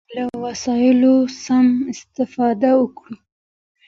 موږ بايد له وسيلو سمه استفاده وکړو.